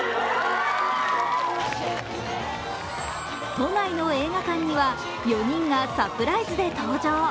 都内の映画館には４人がサプライズで登場。